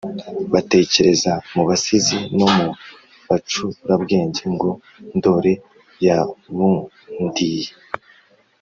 batekereza, mu basizi no mu bacurabwenge ngo "ndori yabundiye